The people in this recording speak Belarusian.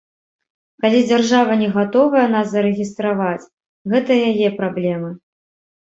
Калі дзяржава не гатовая нас зарэгістраваць, гэта яе праблемы.